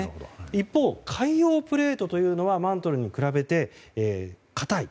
一方、海洋プレートはマントルに比べて硬い。